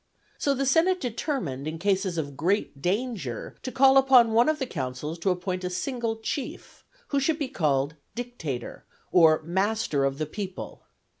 So the senate determined, in cases of great danger, to call upon one of the consuls to appoint a single chief, who should be called "dictator," or master of the people.